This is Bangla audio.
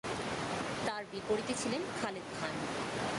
তার বিপরীতে ছিলেন খালেদ খান।